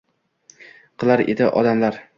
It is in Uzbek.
Qilar edi odamlar?